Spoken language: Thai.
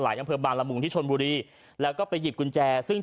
ไหลยังเพือบรรบุงทิศชนบุรีแล้วก็ไปหับกุญแจซึ่ง